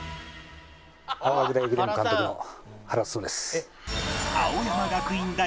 青学大駅伝部監督の原晋です。